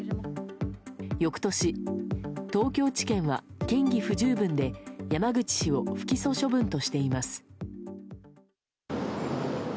翌年、東京地検は嫌疑不十分で山口氏を不起訴処分としています。